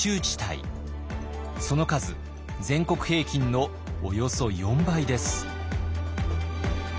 その数全国平均のおよそ４倍です。